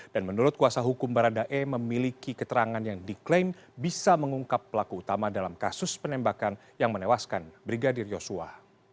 dan menurut kuasa hukum baradae memiliki keterangan yang diklaim bisa mengungkap pelaku utama dalam kasus penembakan yang menewaskan brigadir yosua